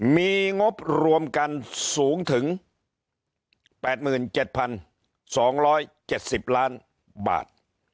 มีงบรวมกันสูงถึง๘๗๒๗๐ล้านบาท